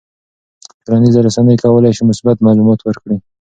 ټولنیزې رسنۍ کولی شي مثبت معلومات ورکړي.